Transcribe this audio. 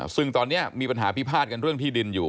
ซึ่งตอนนี้มีปัญหาพิพาทกันเรื่องที่ดินอยู่